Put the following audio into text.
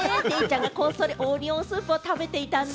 こっそりオニオンスープを食べてたんだ。